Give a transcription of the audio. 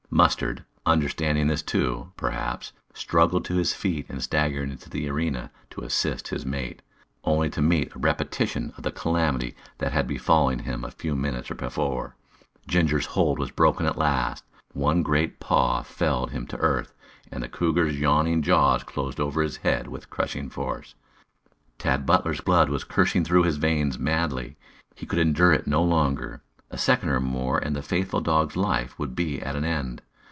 Mustard, understanding this too, perhaps, struggled to his feet and staggered into the arena to assist his mate, only to meet a repetition of the calamity that had befallen him a few minutes before. Ginger's hold was broken at last. One great paw felled him to earth, and the cougar's yawning jaws closed over his head with crushing force. Tad Butler's blood was coursing through his veins madly. He could endure it no longer. A second or so more and the faithful dog's life would be at an end.